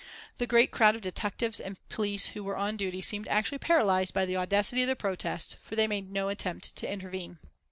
The great crowd of detectives and police who were on duty seemed actually paralysed by the audacity of the protest, for they made no attempt to intervene.